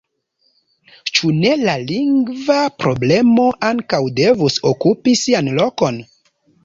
Ĉu ne la lingva problemo ankaŭ devus okupi sian lokon?